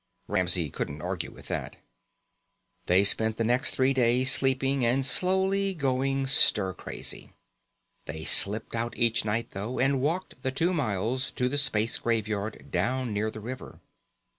Ramsey couldn't argue with that. They spent the next three days sleeping and slowly going stir crazy. They slipped out each night, though, and walked the two miles to the Spacer Graveyard down near the river.